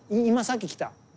今さっき来た。